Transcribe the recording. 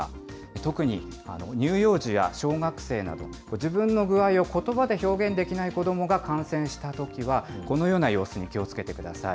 特に、乳幼児や小学生など、自分の具合をことばで表現できない子どもが感染したときは、このような様子に気をつけてください。